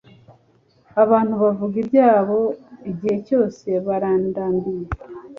abantu bavuga ibyabo igihe cyose barandambiye